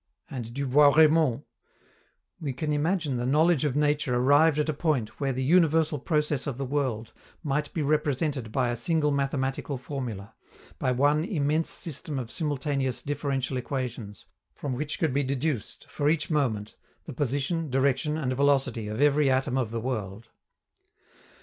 " And Du Bois Reymond: "We can imagine the knowledge of nature arrived at a point where the universal process of the world might be represented by a single mathematical formula, by one immense system of simultaneous differential equations, from which could be deduced, for each moment, the position, direction, and velocity of every atom of the world."